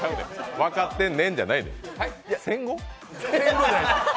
分かってんねんじゃないんよ、戦後？